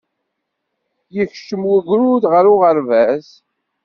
Yekcem wegrud ɣer uɣerbaz.